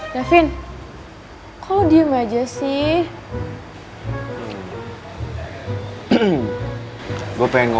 gue mau tau tasya terlibat atau engga